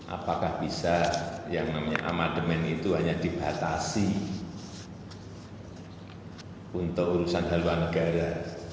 apakah bisa yang namanya amandemen itu hanya dibatasi untuk urusan haluan negara